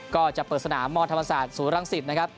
ก็จะเปิดสนามมธรรมศาสตร์ศูนรังสิตนะครับ